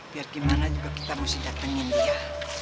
biar gimana juga kita mesti datangin dia